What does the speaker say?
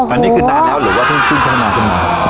อันนี้นานแล้วหรือเพิ่งพิมพ์ก็นาน